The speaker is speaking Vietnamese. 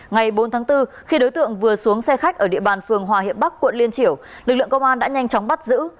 ngày bốn tháng bốn khi đối tượng vừa xuống xe khách ở địa bàn phường hòa hiệp bắc quận liên triểu lực lượng công an đã nhanh chóng bắt giữ